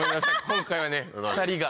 今回はね。